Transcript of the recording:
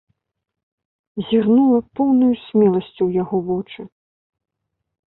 Зірнула поўнаю смеласцю ў яго вочы.